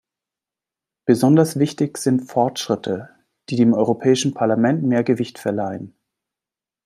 Besonders wichtig sind Fortschritte, die dem Europäischen Parlament mehr Gewicht verleihen.